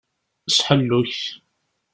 S ḥellu-k.